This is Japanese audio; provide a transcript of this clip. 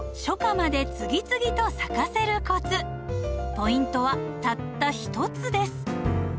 ポイントはたった一つです。